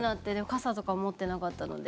傘とかも持ってなかったので。